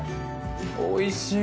おいしい！